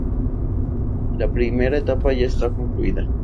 La primera etapa ya está concluida.